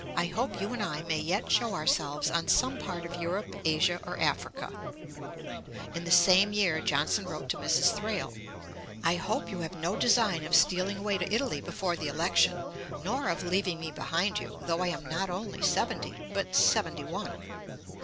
I hope you and I may yet shew ourselves on some part of Europe, Asia, or Africa.' Ante, iii. 435. In the same year Johnson wrote to Mrs. Thrale: 'I hope you have no design of stealing away to Italy before the election, nor of leaving me behind you; though I am not only seventy, but seventy one.'